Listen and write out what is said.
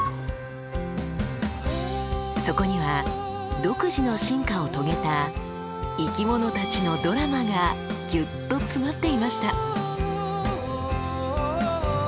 そこには独自の進化を遂げた生きものたちのドラマがぎゅっと詰まっていました。